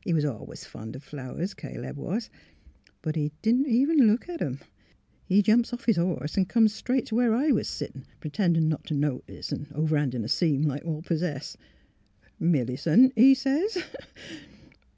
He was always fond o' flowers — Caleb was. But he didn't even look at 'em. He jumps off his horse an' comes straight t' where I was' sittin' pertendin' not t' take notice an' over handin' a seam like all possess. ' Millicent,' he sez .